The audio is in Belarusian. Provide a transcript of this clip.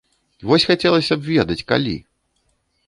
Вось хацелася б ведаць, калі.